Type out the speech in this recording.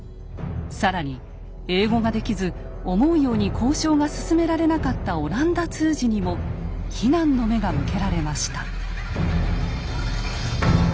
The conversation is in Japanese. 更に英語ができず思うように交渉が進められなかった阿蘭陀通詞にも非難の目が向けられました。